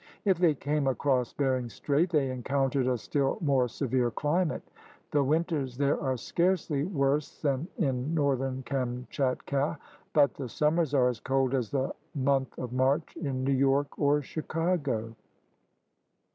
If they came across Bering Strait, they encountered a still more severe climate. The winters there are scarcely worse than in northern Kamchatka, but the summers are as cold as the month of March in New York or Chicago.